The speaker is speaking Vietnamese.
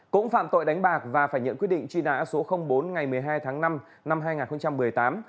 cũng phạm tội đánh bạc và phải nhận quyết định truy nã số bốn ngày một mươi hai tháng năm năm hai nghìn một mươi tám